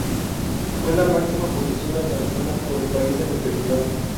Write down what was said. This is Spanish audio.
Fue la máxima posición alcanzada por el país en el festival.